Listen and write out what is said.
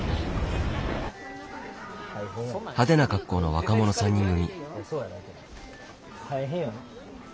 派手な格好の若者３人組。